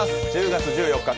１０月１４日